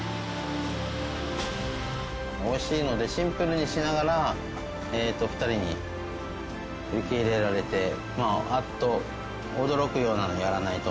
美味しいのでシンプルにしながら２人に受け入れられてあっと驚くようなのをやらないと。